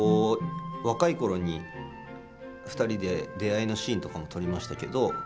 ２人で出会いのシーンとかも撮りましたけど。